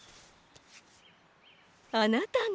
あなたが。